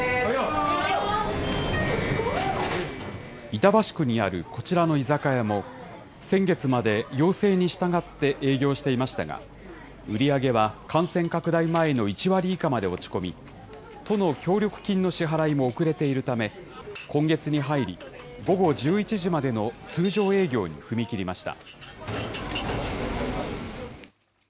板橋区にあるこちらの居酒屋も、先月まで要請に従って営業していましたが、売り上げは感染拡大前の１割以下まで落ち込み、都の協力金の支払いも遅れているため、今月に入り、午後１１時までの通常営業に踏み切りました。